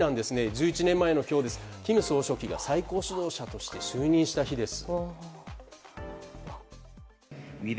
１１年前の今日金総書記が最高指導者として就任した日です。